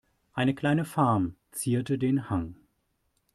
Eine kleine Farm zierte den Hang.